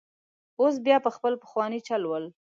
اوس بیا په خپل پخواني چل ول.